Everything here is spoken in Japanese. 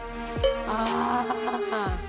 ああ。